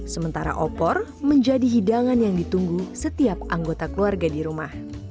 sementara opor menjadi hidangan yang ditunggu setiap anggota keluarga di rumah